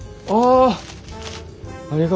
ああ！